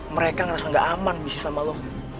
mereka ngerasa ga aman bisnis sama lu